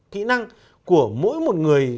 kỹ năng của mỗi một người